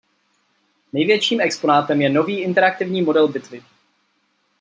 Největším exponátem je nový interaktivní model bitvy.